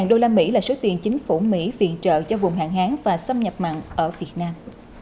năm trăm linh usd là số tiền chính phủ mỹ viện trợ cho vùng hạn hán và xâm nhập mặn ở việt nam